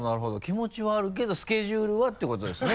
気持ちはあるけどスケジュールはってことですね。